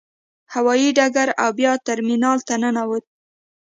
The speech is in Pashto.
هوايي ډګر او بیا ترمینال ته ننوتو.